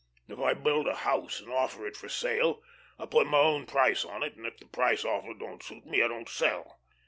If I build a house and offer it for sale, I put my own price on it, and if the price offered don't suit me I don't sell.